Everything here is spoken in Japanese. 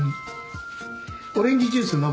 オレンジジュース飲む？